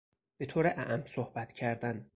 به طور اعم صحبت کردن